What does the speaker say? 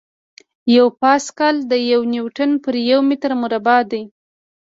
یو پاسکل د یو نیوټن پر یو متر مربع دی.